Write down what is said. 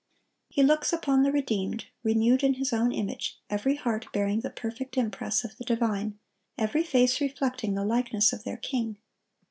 He looks upon the redeemed, renewed in His own image, every heart bearing the perfect impress of the divine, every face reflecting the likeness of their King.